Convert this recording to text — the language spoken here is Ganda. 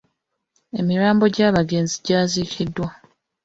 Emirambo gy'abagenzi gyaziikiddwa.